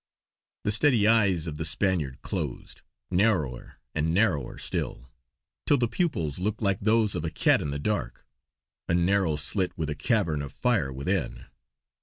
The steady eyes of the Spaniard closed, narrower and narrower still, till the pupils looked like those of a cat in the dark; a narrow slit with a cavern of fire within.